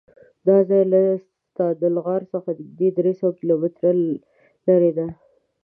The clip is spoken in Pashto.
دا ځای له ستادل غار څخه نږدې درېسوه کیلومتره لرې دی.